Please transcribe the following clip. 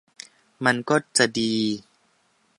มันก็จะดี